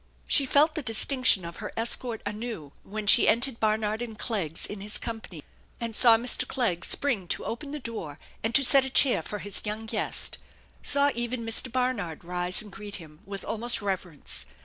She felt the distinction of her escort anew when she entered Barnard and Clegg's in his company, and saw Mr. Clegg spring to open the door and to set a chair for his young guest, saw ?ven Mr. Barnard rise and greet him with almost reverence.